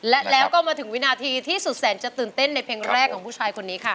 และแล้วก็มาถึงวินาทีที่สุดแสนจะตื่นเต้นในเพลงแรกของผู้ชายคนนี้ค่ะ